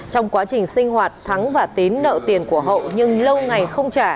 trong quá trình sinh hoạt thắng và tín nợ tiền của hậu nhưng lâu ngày không trả